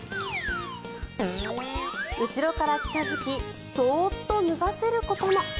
後ろから近付きそうっと脱がせることも。